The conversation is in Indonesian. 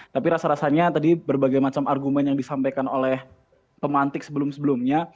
tapi rasa rasanya tadi berbagai macam argumen yang disampaikan oleh pemantik sebelum sebelumnya